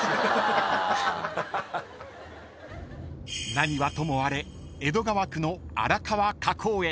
［何はともあれ江戸川区の荒川河口へ］